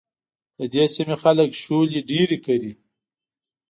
د دې سيمې خلک شولې ډېرې کري.